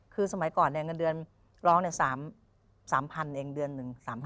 คือสมัยก่อนเงินเดือนร้อง๓๐๐๐เองเดือนหนึ่ง๓๐๐